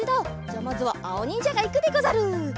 じゃまずはあおにんじゃがいくでござる。